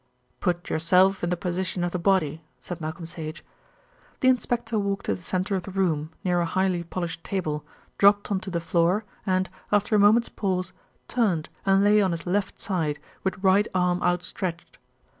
"Put yourself in the position of the body," said Malcolm Sage. The inspector walked to the centre of the room, near a highly polished table, dropped on to the floor and, after a moment's pause, turned and lay on his left side, with right arm outstretched.